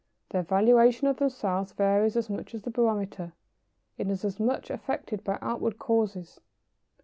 Their valuation of themselves varies as much as the barometer, and is as much affected by outward causes.